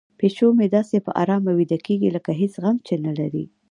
پیشو مې داسې په ارامه ویده کیږي لکه هیڅ غم چې نه لري.